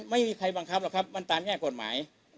ไม่มีใครบังคับหรอกครับมันตามแง่กฎหมาย